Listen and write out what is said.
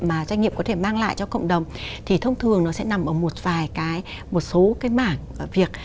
mà doanh nghiệp có thể mang lại cho cộng đồng thì thông thường nó sẽ nằm ở một vài cái một số cái mảng việc